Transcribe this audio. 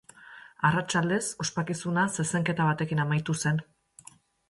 Arratsaldez ospakizuna zezenketa batekin amaitu zen.